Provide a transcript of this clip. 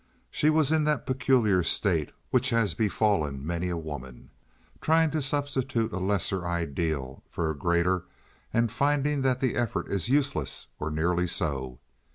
She was in that peculiar state which has befallen many a woman—trying to substitute a lesser ideal for a greater, and finding that the effort is useless or nearly so.